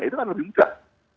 itu kan lebih mudah